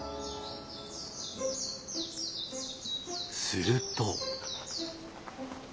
すると。